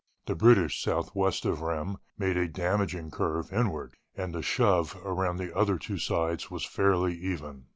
The British southwest of Rheims made a damaging curve inward, and the shove around the other two sides was fairly even.